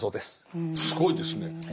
すごいですね。